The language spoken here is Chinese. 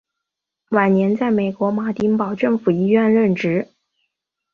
晚年在美国马丁堡政府医院任职。